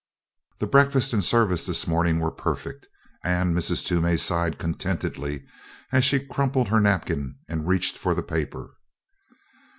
The breakfast and service this morning were perfect and Mrs. Toomey sighed contentedly as she crumpled her napkin and reached for the paper.